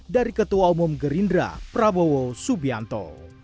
dari ketua umum gerindra prabowo subianto